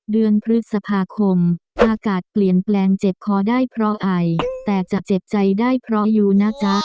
เดือนพฤษภาคมอากาศเปลี่ยนแปลงเจ็บคอได้เพราะไอแต่จะเจ็บใจได้เพราะอยู่นะจ๊ะ